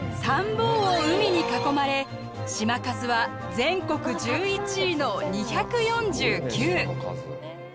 三方を海に囲まれ島数は全国１１位の２４９。